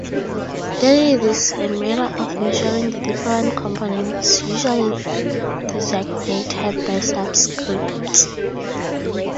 Then it is a matter of measuring the different components, usually designated by subscripts.